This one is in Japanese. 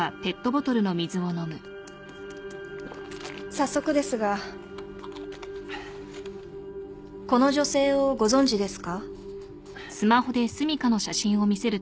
早速ですがこの女性をご存じですか？